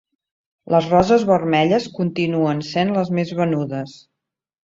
Les roses vermelles continuen sent les més venudes